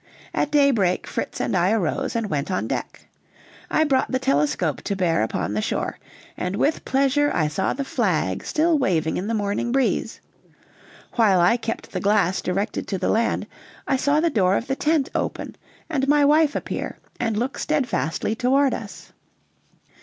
At daybreak Fritz and I arose and went on deck. I brought the telescope to bear upon the shore, and with pleasure saw the flag still waving in the morning breeze; while I kept the glass directed to the land, I saw the door of the tent open, and my wife appear and look steadfastly toward us.